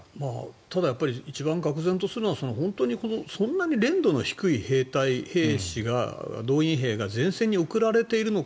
ただ一番がくぜんとするのは本当にそんなに練度の低い兵士が動員兵が前線に送られているのか。